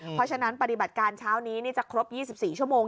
เพราะฉะนั้นปฏิบัติการเช้านี้จะครบ๒๔ชั่วโมง